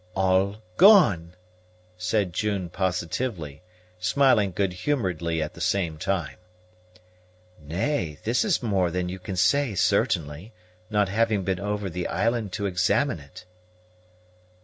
"All gone," said June positively, smiling good humoredly at the same time. "Nay, this is more than you can say certainly, not having been over the island to examine it."